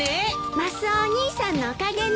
マスオお兄さんのおかげね。